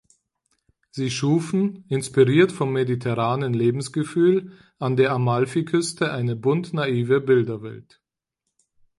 Sie schufen, inspiriert vom mediterranen Lebensgefühl an der Amalfiküste eine bunt-naive Bilderwelt.